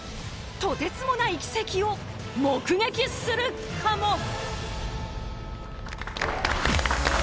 とてつもない奇跡を目撃するかも。